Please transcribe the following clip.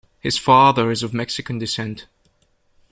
His father is of Mexican descent.